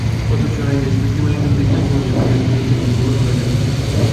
অথচ আইনে আছে ব্যক্তিমালিকানাধীন যানবাহন অ্যাম্বুলেন্স হিসেবে ব্যবহার করা যাবে না।